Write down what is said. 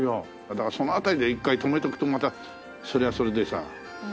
だからその辺りで一回止めておくとまたそれはそれでさ。